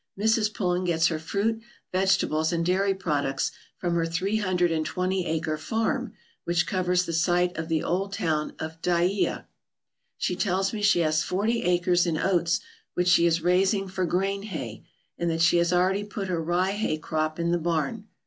Mrs. Pullen gets her fruit, vegetables, and dairy products from her three hundred and twenty acre farm, which covers the site of the old town of Dyea. She tells me she has forty acres in oats, which she is raising for grain hay, and that she has already put her rye hay crop in the barn.